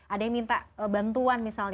ada yang minta bantuan misalnya